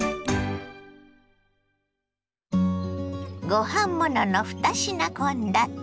ご飯ものの２品献立。